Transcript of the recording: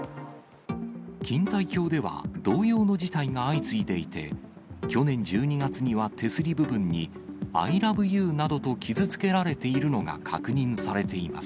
錦帯橋では同様の事態が相次いでいて、去年１２月には手すり部分にアイラブユーなどと傷つけられているのが確認されています。